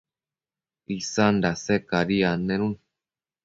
isan dase cadi annenun